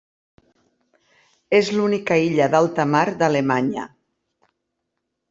És l'única illa d'alta mar d'Alemanya.